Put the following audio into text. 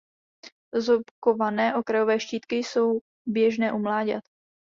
Zoubkované okrajové štítky jsou běžné u mláďat.